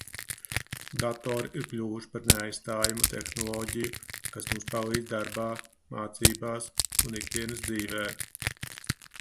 Datori ir kļuvuši par neaizstājamu tehnoloģiju, kas mums palīdz darbā, mācībās un ikdienas dzīvē.